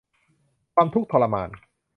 ความทุกข์ทรมาน